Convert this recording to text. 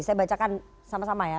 saya bacakan sama sama ya